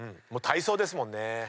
体操ですもんね。